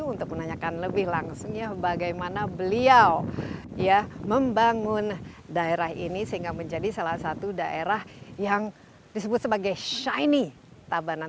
untuk menanyakan lebih langsung ya bagaimana beliau membangun daerah ini sehingga menjadi salah satu daerah yang disebut sebagai shine tabanan